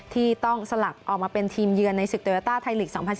ที่ต้องสลับออกมาเป็นทีมเยือนในศึกโยต้าไทยลีก๒๐๑๙